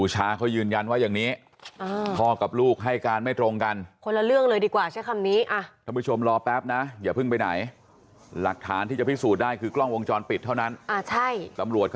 อย่าเพิ่งดูนะฮะฟังลูกสะพ้าของเขาก่อน